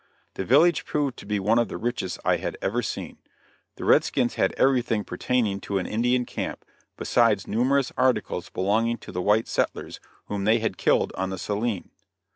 The village proved to be one of the richest I had ever seen. The red skins had everything pertaining to an Indian camp, besides numerous articles belonging to the white settlers whom they had killed on the Saline.